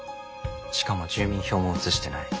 しかも住民票も移してない。